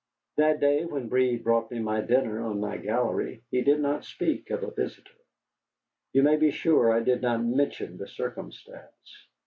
That day, when Breed brought me my dinner on my gallery, he did not speak of a visitor. You may be sure I did not mention the circumstance.